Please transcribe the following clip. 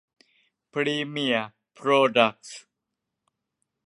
พรีเมียร์ โพรดักส์